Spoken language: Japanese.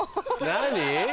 何？